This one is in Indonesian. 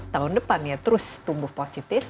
tahun depan ya terus tumbuh positif